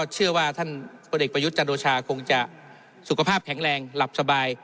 เชื่อว่าท่านพลเอกประยุทธ์จันโอชาคงจะสุขภาพแข็งแรงหลับสบาย